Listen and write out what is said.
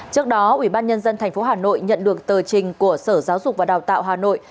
trước đó ubnd tp hà nội nhận được tờ trình của sở giáo dục và đào tạo hà nội